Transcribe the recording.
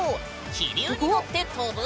気流に乗って飛ぶ。